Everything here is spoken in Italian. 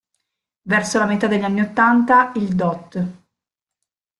Verso la metà degli anni ottanta, il dott.